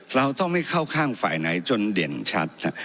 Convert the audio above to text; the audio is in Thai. เราต้องไม่เข้าข้างฝ่ายไหนจนเด่นชัด